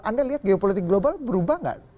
anda lihat geopolitik global berubah gak